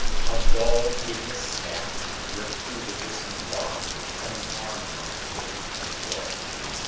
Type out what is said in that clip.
A dull, hideous snap jerked through the Disan's body and the arm hung limp and dead.